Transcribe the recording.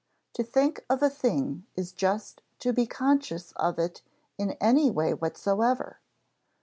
To think of a thing is just to be conscious of it in any way whatsoever.